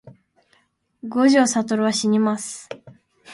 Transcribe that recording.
五条悟はしにます